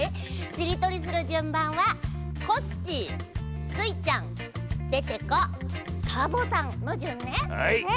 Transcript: しりとりするじゅんばんはコッシースイちゃんデテコサボさんのじゅんね。